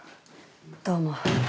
どうも。